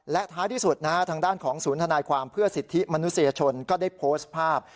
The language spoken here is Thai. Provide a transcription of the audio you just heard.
และท้ายที่สุดนะฮะทางด้านของศูนย์ธนายความเพื่อสิทธิมนุษยชนก็ได้โพสต์ภาพ